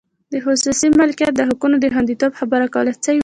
د خصوصي مالکیت د حقونو د خوندیتوب خبره کوله.